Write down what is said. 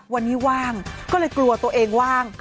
วันนี้ว่างก็เลยกลัวตัวเองว่าง